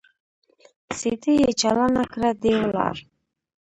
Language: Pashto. سي ډي يې چالانه کړه دى ولاړ.